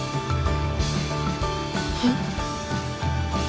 はい。